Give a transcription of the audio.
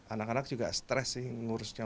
anak anak juga stres sih ngurusnya